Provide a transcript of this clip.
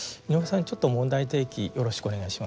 ちょっと問題提起よろしくお願いします。